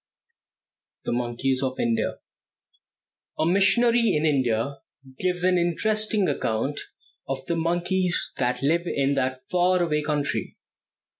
THE MONKEYS OF INDIA. A missionary in India gives an interesting account of the monkeys that live in that far away country.